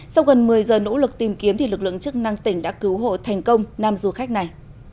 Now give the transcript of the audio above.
sau gần một mươi giờ nỗ lực tìm kiếm lực lượng chức năng tỉnh đã cứu hộ thành công năm du khách này